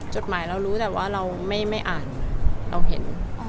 จดหมายเรารู้แต่ว่าเราไม่อ่านเราเห็น